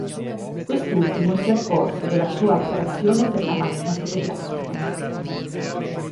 Quest'ultimo si accorse della sua attrazione per la macchina fotografica.